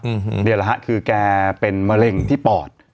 อือหือเนี่ยแหละฮะคือแกเป็นมะเร็งที่ปอด